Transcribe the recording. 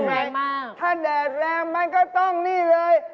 แรงมากถ้าแดดแรงมันก็ต้องนี่เลย